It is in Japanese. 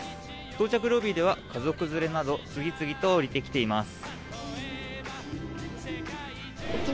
到着ロビーでは、家族連れなど次々と降りてきています。